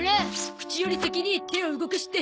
口より先に手を動かして。